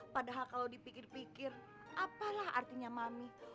padahal kalau dipikir pikir apalah artinya mami